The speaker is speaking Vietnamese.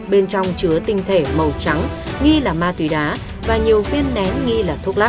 bên trong chứa tinh thể màu trắng nghi là ma túy đá và nhiều viên nén nghi là thuốc lắc